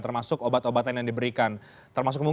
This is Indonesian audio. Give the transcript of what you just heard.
termasuk obat obatan yang diberikan